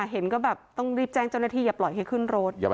เห็นก็แบบต้องรีบแจ้งเจ้าหน้าที่อย่าปล่อยให้ขึ้นรถ